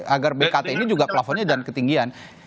agar bkt ini juga plafonnya dan ketinggian